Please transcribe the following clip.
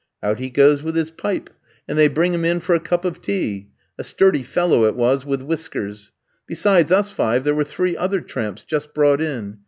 Out he goes with his pipe, and they bring in for him a cup of tea; a sturdy fellow it was, with whiskers. Besides us five, there were three other tramps, just brought in.